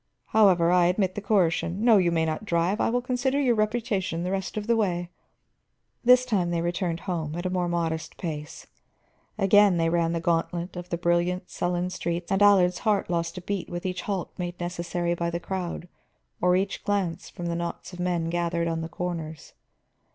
_ However, I admit the coercion. No, you may not drive; I will consider your reputation the rest of the way." This time they turned home, at a more modest pace. Again they ran the gauntlet of the brilliant, sullen streets, and Allard's heart lost a beat with each halt made necessary by the crowd or each glance from the knots of men gathered on the corners.